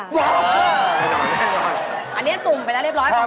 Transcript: อันนี้สุ่มไปแล้วเรียบร้อย